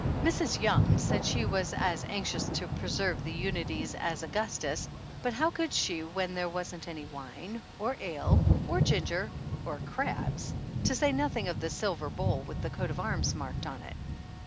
Mrs. Young said she was as anxious to pre serve the unities as Augustus, but how could she when there wasn't any wine or ale or ginger or crabs, to say nothing of the silver bowl with the coat of arms marked on it.